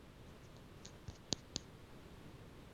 Pata chombo kisafi changanya unga wa viazi lishe